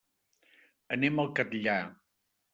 Anem al Catllar.